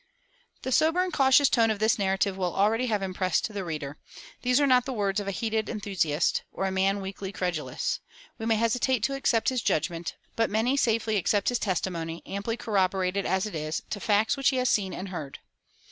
"[236:1] The sober and cautious tone of this narrative will already have impressed the reader. These are not the words of a heated enthusiast, or a man weakly credulous. We may hesitate to accept his judgment, but may safely accept his testimony, amply corroborated as it is, to facts which he has seen and heard.